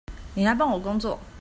妳來幫我工作